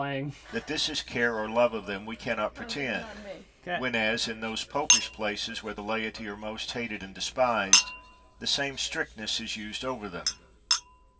That this is care or love of them, we can not pretend, whenas, in those po pish places where the laity are most hated and despised, the same strictness is used over them.